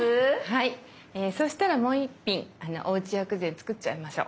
はいそうしたらもう１品おうち薬膳作っちゃいましょう。